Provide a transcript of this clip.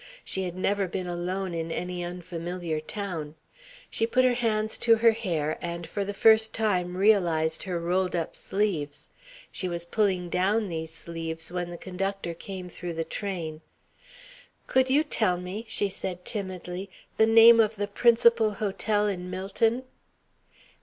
She had never been alone in any unfamiliar town. She put her hands to her hair and for the first time realized her rolled up sleeves. She was pulling down these sleeves when the conductor came through the train. "Could you tell me," she said timidly, "the name of the principal hotel in Millton?"